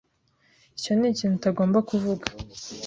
Icyo nikintu utagomba kuvuga.